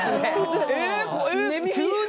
「え急に！」